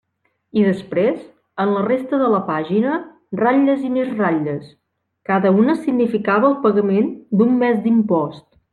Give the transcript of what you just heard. I després, en la resta de la pàgina, ratlles i més ratlles; cada una significava el pagament d'un mes d'impost.